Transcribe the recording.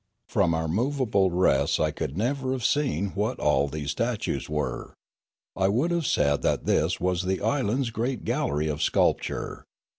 From our movable rests I could never have seen what all these statues were. I would have said that this was the island's great gallery of sculpture.